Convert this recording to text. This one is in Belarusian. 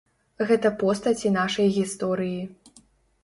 Гэта постаці нашай гісторыі.